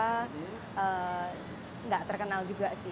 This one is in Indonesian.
tidak terkenal juga sih